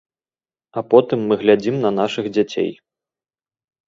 А потым мы глядзім на нашых дзяцей.